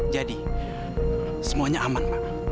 jadi semuanya aman pak